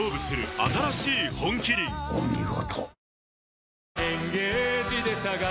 お見事。